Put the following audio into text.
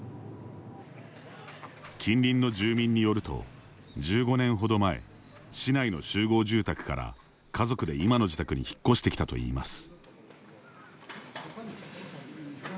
近隣の住民によると１５年ほど前市内の集合住宅から家族で今の自宅に引っ越してきたといいます。